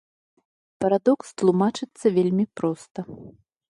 Парадокс тлумачыцца вельмі проста.